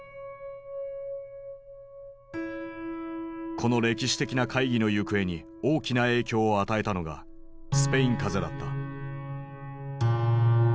この歴史的な会議の行方に大きな影響を与えたのがスペイン風邪だった。